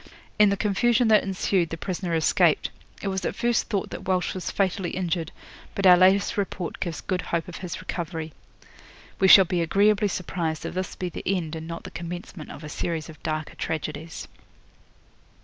In the confusion that ensued the prisoner escaped. It was at first thought that Walsh was fatally injured, but our latest report gives good hope of his recovery. 'We shall be agreeably surprised if this be the end and not the commencement of a series of darker tragedies.'